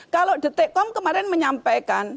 kalau dtkom kemarin menyampaikan